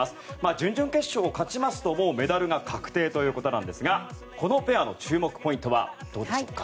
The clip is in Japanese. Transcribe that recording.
準々決勝を勝ちますともうメダルが確定ということなんですがこのペアの注目ポイントはどうでしょうか。